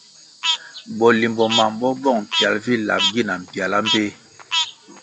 Bolimbo mam bo bong pial vi lab gina mpiala mbpéh.